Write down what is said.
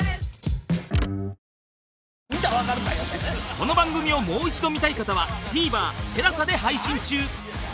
この番組をもう一度見たい方は ＴＶｅｒＴＥＬＡＳＡ で配信中